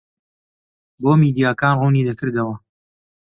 بۆ میدیاکان ڕوونی دەکردەوە